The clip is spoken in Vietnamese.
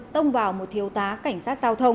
tông vào một thiếu tá cảnh sát giao thông